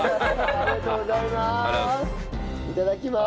ありがとうございます！